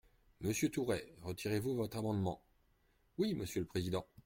Monsieur Tourret, retirez-vous votre amendement ? Oui, monsieur le président.